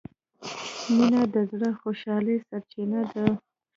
مینه د زړه د خوشحالۍ سرچینه ده.